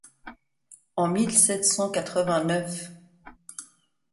en mille sept cent quatre-vingt-neuf !